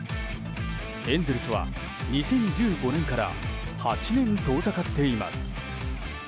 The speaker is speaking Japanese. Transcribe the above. エンゼルスは２０１５年から８年、遠ざかっています。